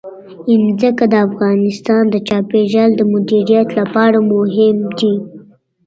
ځمکه د افغانستان د چاپیریال د مدیریت لپاره مهم دي.